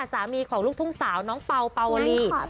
สามีของลูกทุ่งสาวน้องเป่าเป่าวลี